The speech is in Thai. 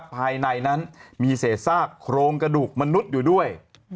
ภายในนั้นมีเศษซากโครงกระดูกมนุษย์อยู่ด้วย